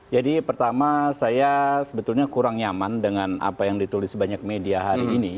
jadi pertama saya sebetulnya kurang nyaman dengan apa yang ditulis banyak media hari ini